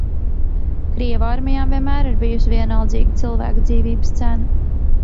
Krievu armijām vienmēr ir bijusi vienaldzīga cilvēka dzīvības cena.